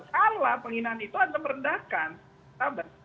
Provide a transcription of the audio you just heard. salah penghinaan itu adalah merendahkan